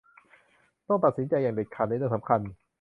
ต้องตัดสินใจอย่างเด็ดขาดในเรื่องสำคัญ